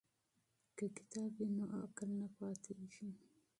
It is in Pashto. که کتاب وي نو عقل نه پاتیږي.